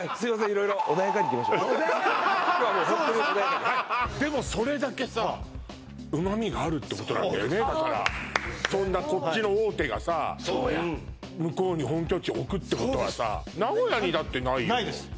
色々穏やかに今日はもうホントに穏やかででもそれだけさうまみがあるってことなんだよねだからそんなこっちの大手がさそうや向こうに本拠地置くってことはさそうですないです